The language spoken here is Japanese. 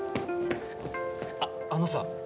あっあのさ